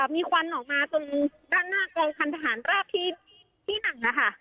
มีควันออกมาตรงด้านหน้ากองพันธหารราบที่๑นะคะ